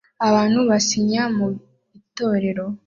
Abantu basinya mu itorero